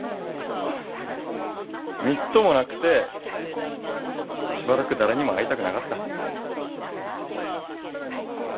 みっともなくてしばらく誰にも会いたくなかった。